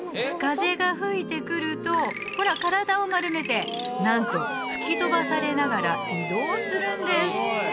風が吹いてくるとほら体を丸めてなんと吹き飛ばされながら移動するんです